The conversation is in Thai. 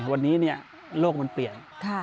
วันนี้โลกมันเปลี่ยน